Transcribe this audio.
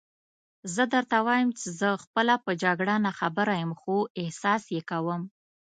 زه درته وایم چې زه خپله په جګړه ناخبره یم، خو احساس یې کوم.